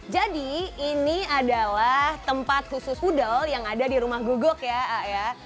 jadi ini adalah tempat khusus pudel yang ada di rumah guguk ya